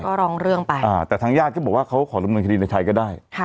ก็ร้องเรื่องไปแต่ทางญาติก็บอกว่าเขาขอดำเนินคดีในชัยก็ได้